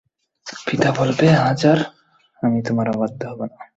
পিতা বলবে, আজ আর আমি তোমার অবাধ্য হব না।